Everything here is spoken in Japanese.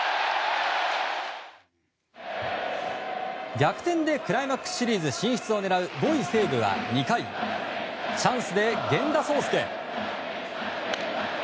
逆転でクライマックスシリーズ進出を狙う５位、西武は２回、チャンスで源田壮亮。